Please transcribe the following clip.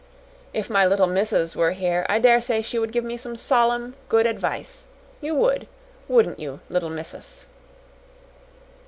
If my little missus were here, I dare say she would give me some solemn, good advice. You would, wouldn't you, Little Missus?"